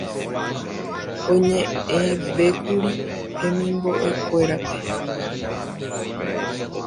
oñe'ẽvékuri hemimbo'ekuérape